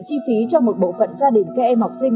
chi phí cho một bộ phận gia đình các em học sinh